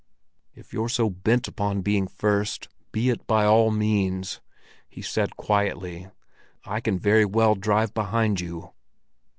"If you're so bent upon being first, be it by all means," he said quietly. "I can very well drive behind you."